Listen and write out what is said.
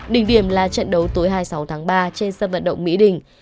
đỉnh điểm là trận đấu tối hai mươi sáu tháng ba trên sân vận động mỹ đình